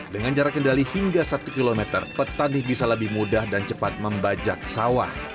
dengan jarak kendali hingga satu km petani bisa lebih mudah dan cepat membajak sawah